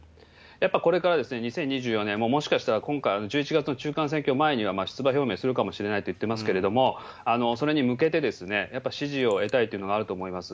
やっぱこれから２０２４年、もしかしたら今回、１１月の中間選挙前には出馬表明するかもしれないと言ってますけど、それに向けて、やっぱり支持を得たいというのがあると思います。